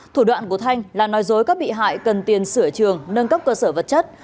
thủ đoạn của thanh là nói dối các bị hại cần tiền sửa trường nâng cấp cơ sở vật chất